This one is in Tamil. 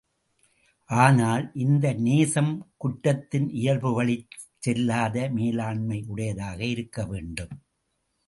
ஆனால், இந்த நேசம் குற்றத்தின் இயல்புவழிச் செல்லாத மேலாண்மையுடையதாக இருக்க வேண்டும்.